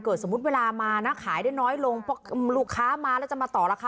สมมุติเวลามานะขายได้น้อยลงเพราะลูกค้ามาแล้วจะมาต่อราคา